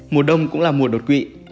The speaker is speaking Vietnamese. mùa đông cũng là mùa đột quỵ